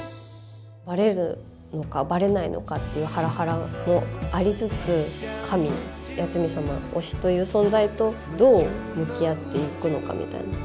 バレるのかバレないのかっていうハラハラもありつつ神八海サマ推しという存在とどう向き合っていくのかみたいな。